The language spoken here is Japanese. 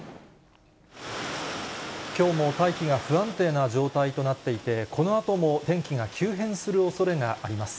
きょうも大気が不安定な状態となっていて、このあとも天気が急変するおそれがあります。